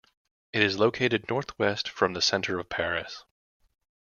It is located northwest from the centre of Paris.